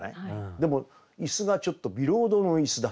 でも椅子がちょっと「ビロードの椅子」だった。